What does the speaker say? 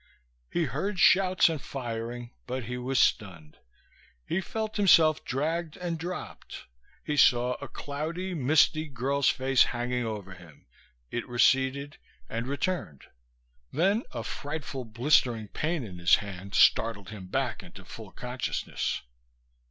He heard shouts and firing, but he was stunned. He felt himself dragged and dropped. He saw a cloudy, misty girl's face hanging over him; it receded and returned. Then a frightful blistering pain in his hand startled him back into full consciousness.